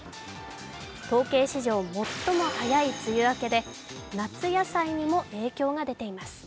統計史上最も早い梅雨明けで、夏野菜にも影響が出ています。